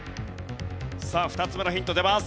さあ２つ目のヒント出ます。